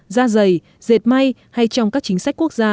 da dày dệt may hay trong các chính sách quốc gia